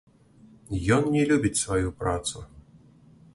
Ён не любіць сваю працу.